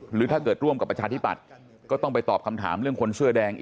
หรือถ้าเกิดร่วมกับประชาธิปัตย์ก็ต้องไปตอบคำถามเรื่องคนเสื้อแดงอีก